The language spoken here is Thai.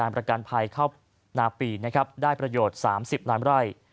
ปราการภัยคร่าวหน้าปีได้ประโยชน์๓๐ล้านบาท